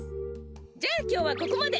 じゃあきょうはここまで。